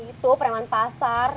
itu preman pasar